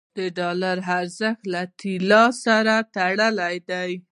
د ډالر ارزښت له تیلو سره تړلی دی.